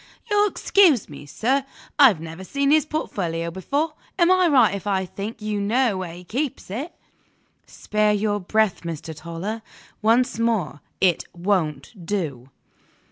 "You'll excuse me, sir? I've never seen his portfolio before. Am I right if I think you know where he keeps it?" "Spare your breath, Mr. Toller. Once more, it won't do!"